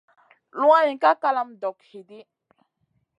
Luwayn ka kalama dog hidi.